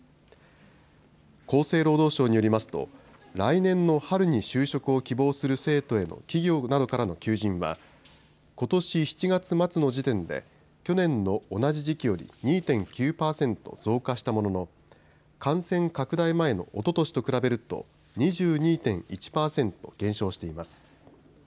厚生労働省によりますと来年の春に就職を希望する生徒への企業などからの求人はことし７月末の時点で去年の同じ時期より２．９％増加したものの感染拡大前のおととしと比べると２２．１％減少しています。